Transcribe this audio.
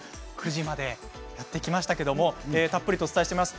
９時までやってきましたけれどもたっぷりお伝えします。